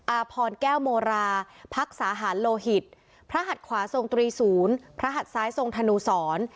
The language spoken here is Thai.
อาพรแก้วโมราพักสาหารโลหิตพระหัดขวาทรงตรีศูนย์พระหัดซ้ายทรงธนูสร